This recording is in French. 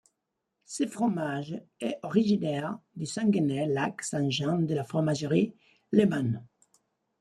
Ce fromage est originaire du Saguenay–Lac-Saint-Jean de la fromagerie Lehmann.